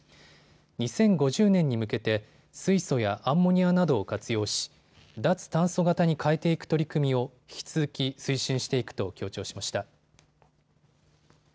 ２０５０年に向けて水素やアンモニアなどを活用し、脱炭素型に変えていく取り組みを引き続き推進していくと強調しました。